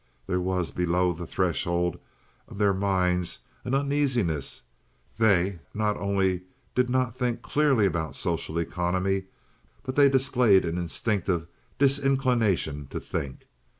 There was below the threshold of their minds an uneasiness; they not only did not think clearly about social economy but they displayed an instinctive disinclination to think.